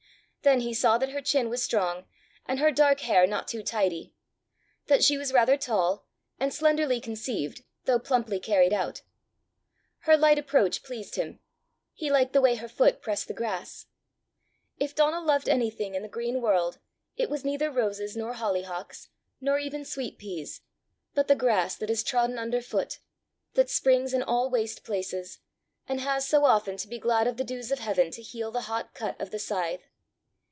Then he saw that her chin was strong, and her dark hair not too tidy; that she was rather tall, and slenderly conceived though plumply carried out. Her light approach pleased him. He liked the way her foot pressed the grass. If Donal loved anything in the green world, it was neither roses nor hollyhocks, nor even sweet peas, but the grass that is trodden under foot, that springs in all waste places, and has so often to be glad of the dews of heaven to heal the hot cut of the scythe.